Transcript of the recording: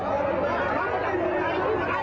โอ้ย